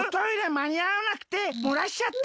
まにあわなくてもらしちゃった。